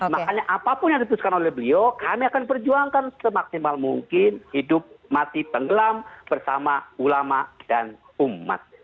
makanya apapun yang diteruskan oleh beliau kami akan perjuangkan semaksimal mungkin hidup mati tenggelam bersama ulama dan umat